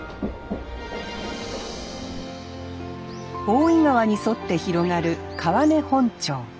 大井川に沿って広がる川根本町。